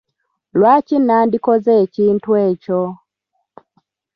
Lwaki nandikoze ekintu ekyo ?